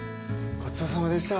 ごちそうさまでした。